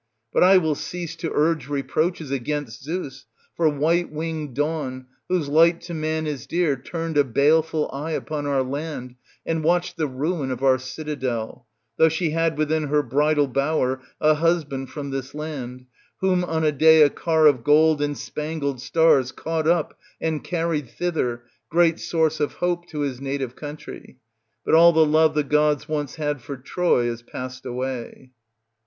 But I will cease to urge reproaches against Zeus ; for white winged dawn, whose light to man is dear, turned a baleful eye upon our land and watched the ruin of our citadel, though she had within her bridal bower a husband ^ from this land, whom on a day a car of gold and spangled stars caught up and carried thither, great source of hope to his native country ; but all the love the gods once had for Troy is passed away.